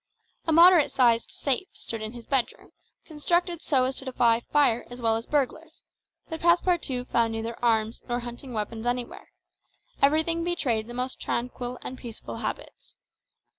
A moderate sized safe stood in his bedroom, constructed so as to defy fire as well as burglars; but Passepartout found neither arms nor hunting weapons anywhere; everything betrayed the most tranquil and peaceable habits.